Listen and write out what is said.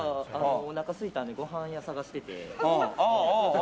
おなかすいたのでご飯屋探してて。